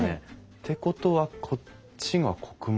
ってことはこっちが穀物庫？